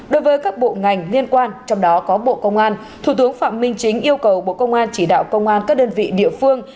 đối với các bộ ngành liên quan trong đó có bộ công an thủ tướng phạm minh chính yêu cầu bộ công an chỉ đạo công an các đơn vị địa phương